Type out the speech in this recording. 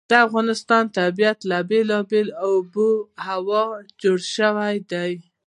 د افغانستان طبیعت له بېلابېلې آب وهوا جوړ شوی دی.